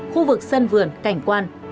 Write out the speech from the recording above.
khu vực sân vườn cảnh quan